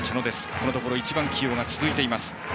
このところ１番起用が続いています。